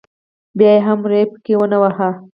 بیا یې هم ری پکې ونه واهه.